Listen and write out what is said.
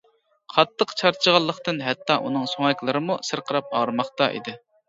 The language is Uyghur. قاتتىق چارچىغانلىقتىن ھەتتا ئۇنىڭ سۆڭەكلىرىمۇ سىرقىراپ ئاغرىماقتا ئىدى.